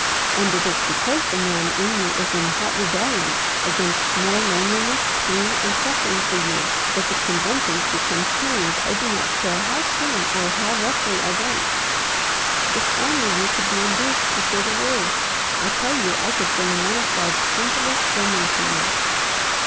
"And it is because the man in me is in hot rebellion against more loneliness, pain, and suffering for you, that the conventions become chains I do not care how soon or how roughly I break. If only you could be induced to say the word, I tell you I could bring one of God's gentlest women to you."